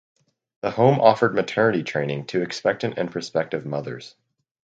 The Home offered maternity training to expectant and prospective mothers.